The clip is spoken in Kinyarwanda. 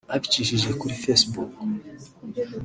Abicishije kuri Facebook